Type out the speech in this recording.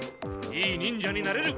いい忍者になれる。